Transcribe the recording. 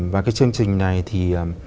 và cái chương trình này thì